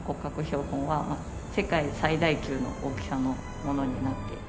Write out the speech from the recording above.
標本は世界最大級の大きさのものになって。